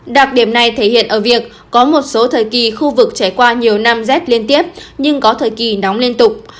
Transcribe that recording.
đặc điểm này thể hiện ở việc có một số thời kỳ khu vực trải qua nhiều năm rét liên tiếp nhưng có thời kỳ nóng liên tục